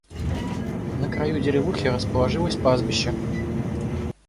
На краю деревухи расположилось пастбище.